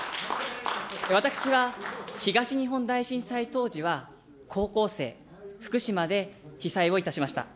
私は東日本大震災当時は高校生、福島で被災をいたしました。